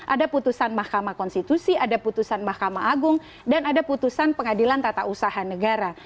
ada putusan mahkamah konstitusi ada putusan mahkamah agung dan ada putusan pengadilan tata usaha negara